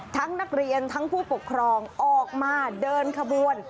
นักเรียนทั้งผู้ปกครองออกมาเดินขบวน